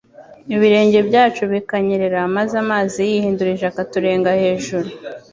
ibirenge byacu bikanyerera maze amazi yihindurije akaturenga hejuru.